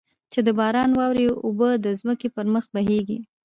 چې د باران او واورې اوبه د ځمکې پر مخ بهېږي.